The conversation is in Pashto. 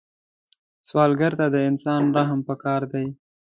سوالګر ته د انسان رحم پکار دی